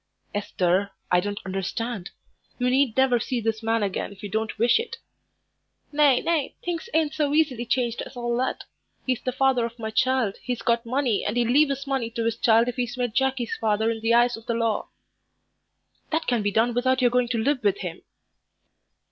"Esther, I don't understand. You need never see this man again if you don't wish it." "Nay, nay, things ain't so easily changed as all that. He's the father of my child, he's got money, and he'll leave his money to his child if he's made Jackie's father in the eyes of the law." "That can be done without your going to live with him."